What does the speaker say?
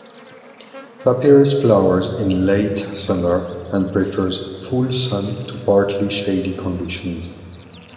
Papyrus flowers in late summer, and prefers full sun to partly shady conditions.